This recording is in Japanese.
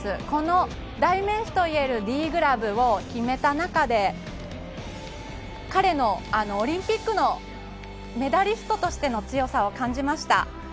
この代名詞といえるＤグラブを決めた中で彼のオリンピックのメダリストとしての強さを感じました。